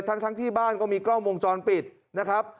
ทั้งที่บ้านก็มีกล้องวงจรปิดนะครับ